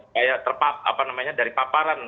kayak terpapar apa namanya dari paparan